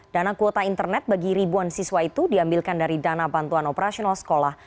dana kuota internet bagi ribuan siswa itu diambilkan dari dana bantuan operasional sekolah